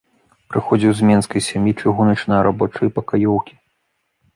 Паходзіў з мінскай сям'і чыгуначнага рабочага і пакаёўкі.